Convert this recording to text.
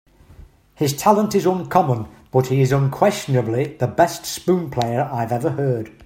His talent is uncommon, but he is unquestionably the best spoon player I've ever heard.